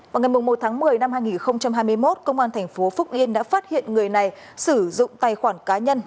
vào ngày một tháng một mươi năm hai nghìn hai mươi một công an thành phố phúc yên đã phát hiện người này sử dụng tài khoản cá nhân